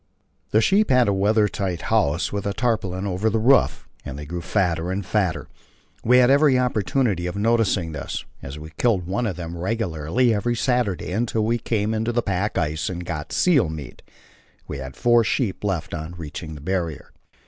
The sheep had a weather tight house with a tarpaulin over the roof, and they grew fatter and fatter; we had every opportunity of noticing this, as we killed one of them regularly every Saturday until we came into the pack ice and got seal meat. We had four sheep left on reaching the Barrier.